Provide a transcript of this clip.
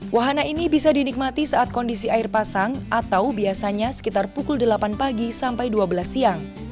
wahana ini bisa dinikmati saat kondisi air pasang atau biasanya sekitar pukul delapan pagi sampai dua belas siang